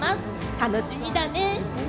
楽しみだね！